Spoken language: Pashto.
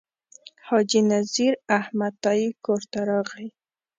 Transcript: حاجي نذیر احمد تائي کور ته راغی.